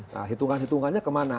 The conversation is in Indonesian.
nah hitungan hitungannya kemana